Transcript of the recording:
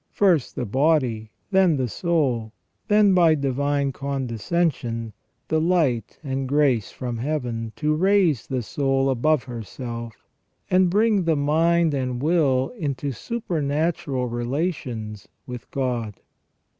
First the body, then the soul, then by divine condescension the light and grace from Heaven, to raise the soul above herself, and bring the mind and will into supernatural relations with God.